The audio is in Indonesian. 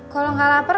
kalau nggak lapar